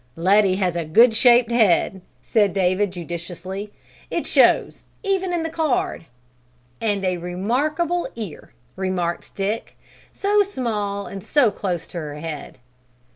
"Letty has a good shaped head," said David judicially. "It shows, even in the card." "And a remarkable ear," added Dick, "so small and so close to her head."